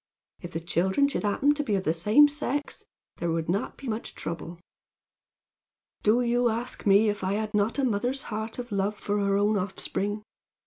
If the children should happen to be of the same sex there would not be much trouble. "Do you ask me if I had not a mother's heart of love for her own offspring?